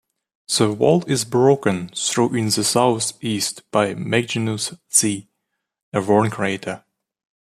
The wall is broken through in the southeast by Maginus C, a worn crater.